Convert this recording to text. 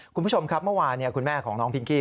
คุณผู้ชมครับเมื่อวานคุณแม่ของน้องพิงกี้